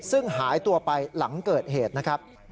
ซึ่งหายตัวไปหลังเกิดเหตุนะครับ